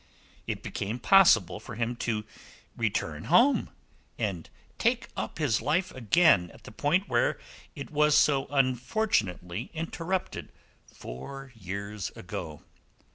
It became possible for him to return home and take up his life again at the point where it was so unfortunately interrupted four years ago.